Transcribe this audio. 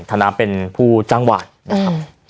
ธนาเป็นผู้จังหวัดนะครับ